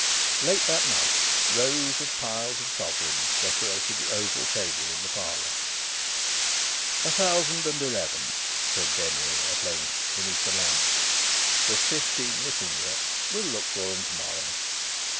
Late that night rows of piles of sovereigns decorated the oval table in the parlour. "A thousand and eleven," said Denry, at length, beneath the lamp. "There's fifteen missing yet. We'll look for 'em to morrow."